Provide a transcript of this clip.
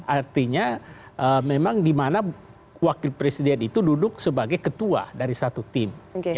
artinya memang di mana wakil presiden itu duduk sebagai ketua dari satu tim